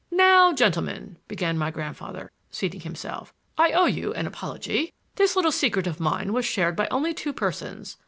"Now, gentlemen," began my grandfather, seating himself, "I owe you an apology; this little secret of mine was shared by only two persons.